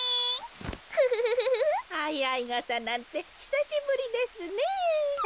あいあいがさなんてひさしぶりですねぇ。